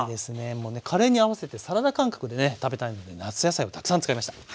もうねカレーに合わせてサラダ感覚でね食べたいので夏野菜をたくさん使いました。